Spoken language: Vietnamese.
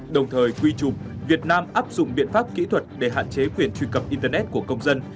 đồng thời quy trục việt nam áp dụng biện pháp kỹ thuật để hạn chế quyền truy cập internet của công dân